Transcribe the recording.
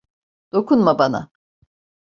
Dokunma bana!